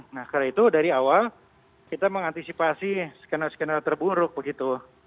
nah karena itu dari awal kita mengantisipasi skenario skenario terburuk begitu